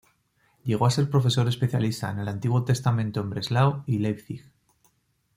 Llegó a ser profesor especialista en el Antiguo Testamento en Breslau y Leipzig.